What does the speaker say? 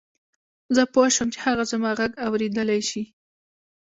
زه پوه شوم چې هغه زما غږ اورېدلای شي